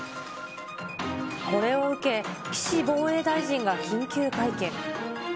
これを受け、岸防衛大臣が緊急会見。